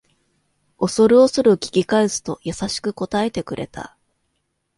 おそるおそる聞き返すと優しく答えてくれた